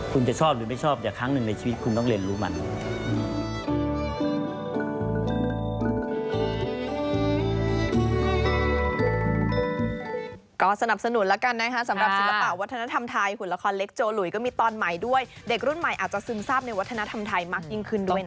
คุณจะชอบหรือไม่ชอบแต่ครั้งหนึ่งในชีวิตคุณต้องเรียนรู้มัน